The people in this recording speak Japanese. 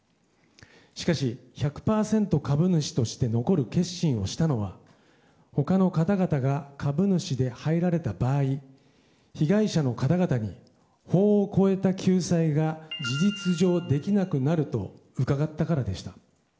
しかし、１００％株主として残る決心をしたのは他の方々が株主で入られた場合被害者の方々に法を超えた救済が事実上できなくなると伺ったからでした。